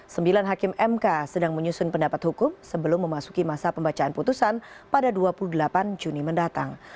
sembilan hakim mk sedang menyusun pendapat hukum sebelum memasuki masa pembacaan putusan pada dua puluh delapan juni mendatang